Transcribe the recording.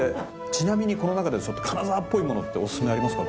ちなみにこの中で金沢っぽいものっておすすめありますか？